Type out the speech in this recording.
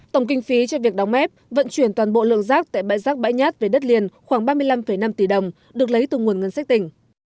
tổng kinh phí cho việc đóng ép vận chuyển toàn bộ lượng rác tại bãi rác bãi nhát về đất liền khoảng ba mươi năm năm tỷ đồng được lấy từ nguồn ngân sách tỉnh